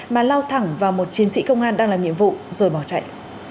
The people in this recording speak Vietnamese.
mà lao thẳng vào một chiến sĩ công an đang làm nhiệm vụ rồi bỏ chạy